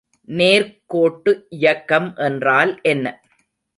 நேர்க்கோட்டு இயக்கம் என்றால் என்ன?